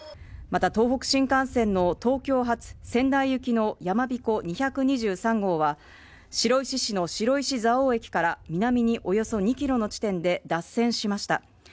また東北新幹線の東京発仙台行きのやまびこ２２３号は白石市の白石蔵王駅から南におよそ２キロの地点で脱線しました。